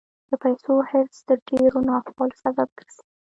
د پیسو حرص د ډېرو ناخوالو سبب ګرځي.